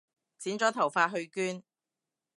剪咗頭髮去捐